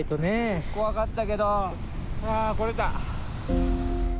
怖かったけどはあ来れた！